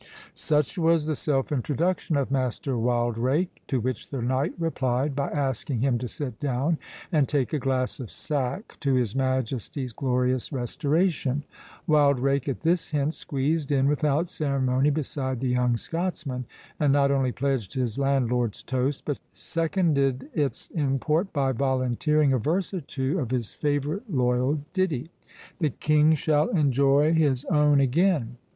Such was the self introduction of Master Wildrake, to which the knight replied, by asking him to sit down, and take a glass of sack to his Majesty's glorious restoration. Wildrake, at this hint, squeezed in without ceremony beside the young Scotsman, and not only pledged his landlord's toast, but seconded its import, by volunteering a verse or two of his favourite loyal ditty,—"The King shall enjoy his own again."